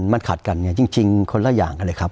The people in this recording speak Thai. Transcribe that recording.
มันขัดกันเนี่ยจริงคนละอย่างกันเลยครับ